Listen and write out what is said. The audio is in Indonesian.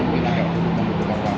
mungkin akan berubah